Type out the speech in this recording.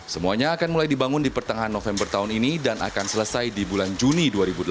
semuanya akan mulai dibangun di pertengahan november tahun ini dan akan selesai di bulan juni dua ribu delapan belas